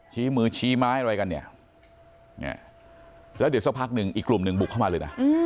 ชี้มือชี้ไม้อะไรกันเนี่ยแล้วเดี๋ยวสักพักหนึ่งอีกกลุ่มหนึ่งบุกเข้ามาเลยนะ